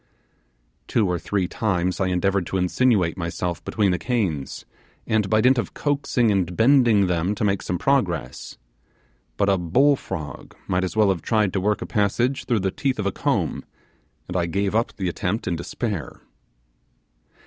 Two or three times I endeavoured to insinuate myself between the canes, and by dint of coaxing and bending them to make some progress; but a bull frog might as well have tried to work a passage through the teeth of a comb, and I gave up the attempt in despair.